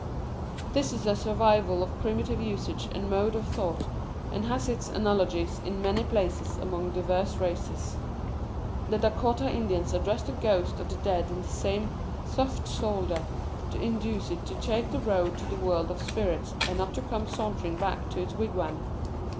This is a survival of primitive usage and mode of thought, and has its analogies in many places and among diverse races. The Dacotah Indians address the ghost of the 7 Curiosities of Olden Times dead in the same "soft solder," to induce it to take the road to the world of spirits and not to come sauntering back to its wigwam.